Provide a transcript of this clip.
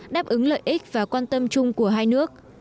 đáp ứng lợi ích và quan tâm chung của hai nước